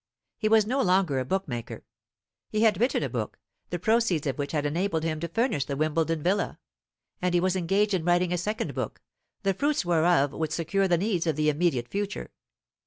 He was no longer a bookmaker. He had written a book, the proceeds of which had enabled him to furnish the Wimbledon villa; and he was engaged in writing a second book, the fruits whereof would secure the needs of the immediate future.